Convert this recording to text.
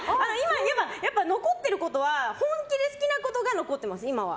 残ってることは本気で好きなことが残っています。